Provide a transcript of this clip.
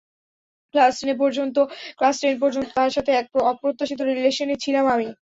Class ten পর্যন্ত তার সাথে এক অপ্রত্যাশিত রিলেশনে ছিলাম আমি।